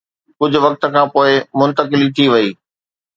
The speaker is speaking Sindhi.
ڪجهه وقت کان پوءِ منتقلي ٿي وئي.